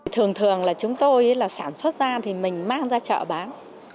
thường thường là chúng tôi là sản xuất ra thì mình mang ra chợ bán